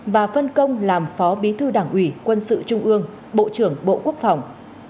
và phân công làm phó bí thư đảng ủy quân sự trung ương bộ trưởng bộ quốc phòng